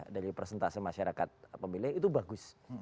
dari presentasi masyarakat pemilih itu bagus